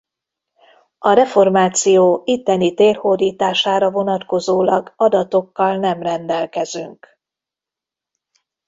A reformáció itteni térhódítására vonatkozólag adatokkal nem rendelkezünk.